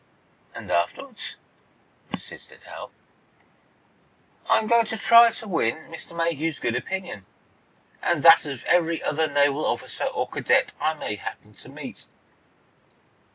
"And, afterwards?" persisted Hal. "I'm going to try to win Mr. Mayhew's good opinion, and that of every other naval officer or cadet I may happen to meet."